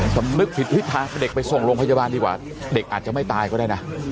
สำนึกผิดทิศทางเด็กไปส่งโรงพยาบาลดีกว่าเด็กอาจจะไม่ตายก็ได้นะ